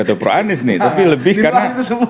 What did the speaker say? atau pro anies nih tapi lebih karena